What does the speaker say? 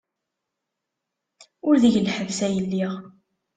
Ur deg lḥebs ay lliɣ.